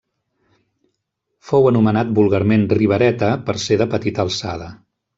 Fou anomenat vulgarment Ribereta per ser de petita alçada.